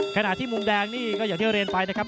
ขณะที่มุมแดงนี่ก็อย่างที่เรียนไปนะครับ